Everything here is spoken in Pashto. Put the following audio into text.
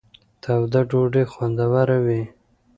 توده ډوډۍ خوندوره وي.